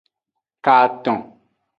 Katon.